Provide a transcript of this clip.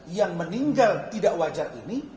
yang meninggal tidak wajar ini